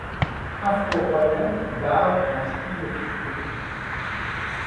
Affront royal qui bave en style officiel.